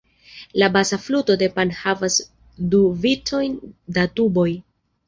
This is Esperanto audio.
La basa fluto de Pan havas du vicojn da tuboj.